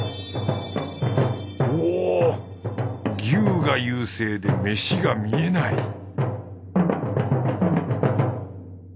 牛が優勢でメシが見えない